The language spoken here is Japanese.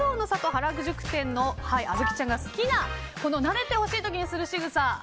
原宿店のあずきちゃんが好きななでてほしい時にするしぐさ。